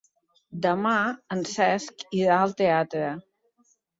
Demà en Cesc irà al teatre.